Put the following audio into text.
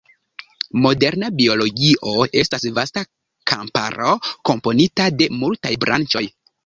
Moderna biologio estas vasta kamparo, komponita de multaj branĉoj.